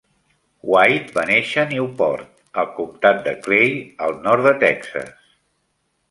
White va néixer a Newport al comtat de Clay al nord de Texas.